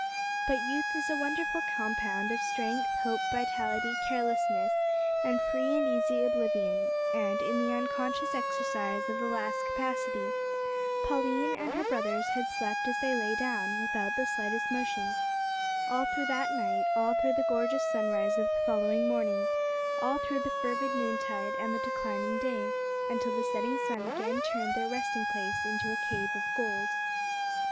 But youth is a wonderful compound of strength, hope, vitality, carelessness, and free and easy oblivion, and, in the unconscious exercise of the last capacity, Pauline and her brothers had slept as they lay down, without the slightest motion, all through that night, all through the gorgeous sunrise of the following morning, all through the fervid noontide and the declining day, until the setting sun again turned their resting place into a cave of gold.